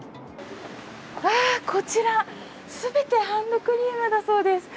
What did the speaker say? こちら、全てハンドクリームだそうです。